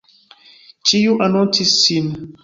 Ĉiu anoncis sin.